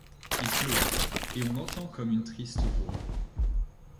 Il pleut ; et l’on entend comme une triste voix ;